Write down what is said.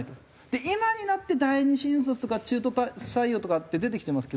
で今になって第２新卒とか中途採用とかって出てきてます